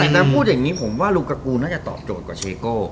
แต่ถ้าพูดอย่างนี้ผมว่าลุงตระกูลน่าจะตอบโจทย์กว่าเชโก้